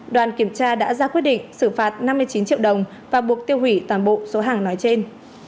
đoàn kiểm tra đã ra quyết định xử phạt năm mươi chín triệu đồng và buộc tiêu hủy toàn bộ số hàng nói trên